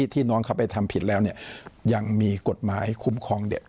น้องเขาไปทำผิดแล้วเนี่ยยังมีกฎหมายคุ้มครองเด็ก